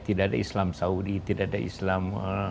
tidak ada islam saudi tidak ada islam